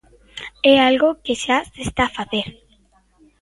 É algo que xa se está a facer.